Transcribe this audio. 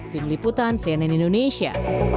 tim liputan cnn indonesia